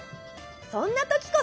そんなときこそ！